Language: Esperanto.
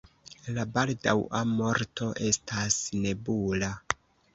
La baldaŭa morto estas nebula.